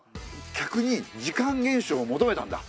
客に時間厳守を求めたんだ。